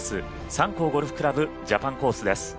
三甲ゴルフ倶楽部ジャパンコースです。